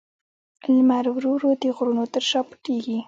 لمر ورو ورو د غرونو تر شا پټېږي.